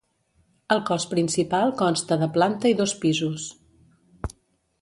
El cos principal consta de planta i dos pisos.